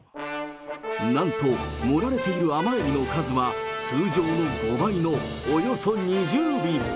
なんと、盛られている甘エビの数は、通常の５倍のおよそ２０尾。